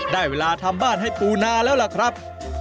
ได้เวลาทำบ้านให้ปูนาแล้วล่ะครับ